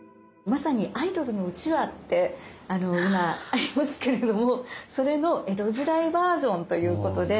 まさにアイドルのうちわって今ありますけれどもそれの江戸時代バージョンということで。